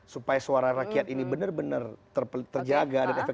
supaya suara rakyat ini benar benar terjaga